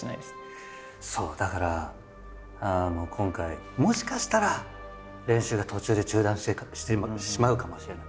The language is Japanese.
そうだから今回もしかしたら練習が途中で中断してしまうかもしれない。